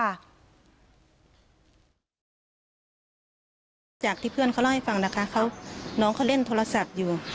หลังจากที่เพื่อนเขาเล่าให้ฟังนะคะเขาน้องเขาเล่นโทรศัพท์อยู่